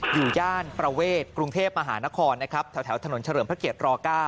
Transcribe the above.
อยู่ย่านประเวทกรุงเทพมหานครแถวถนนเฉลิมพระเกียรติร๙